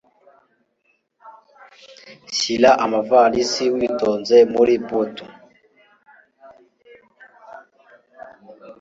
Shira amavalisi witonze muri butu